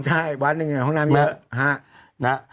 ใช่วันหนึ่งห้องน้ำเยอะ